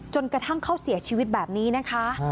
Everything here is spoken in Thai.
กระทั่งเขาเสียชีวิตแบบนี้นะคะ